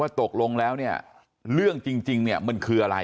ตกลงแล้วเนี่ยเรื่องจริงเนี่ยมันคืออะไร